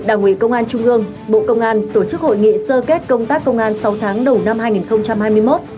đảng ủy công an trung gương bộ công an tổ chức hội nghị sơ kết công tác công an sáu tháng đầu năm hai nghìn hai mươi một